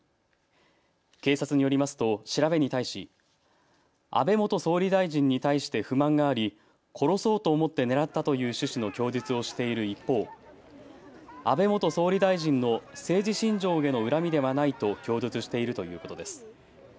警察によりますと調べに対し安倍元総理大臣に対して不満があり殺そうと思って狙ったという趣旨の供述をしている一方、安倍元総理大臣の政治信条への恨みではないと供述しているということです。